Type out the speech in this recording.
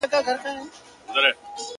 د آسمان له تشه لاسه پرېوتلې پیمانه یم!